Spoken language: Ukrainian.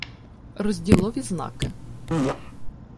Розділові знаки